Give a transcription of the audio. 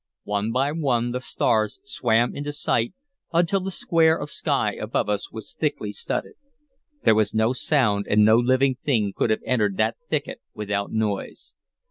One by one the stars swam into sight, until the square of sky above us was thickly studded. There was no sound, and no living thing could have entered that thicket without noise.